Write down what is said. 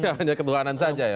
iya hanya ketuhanan saja ya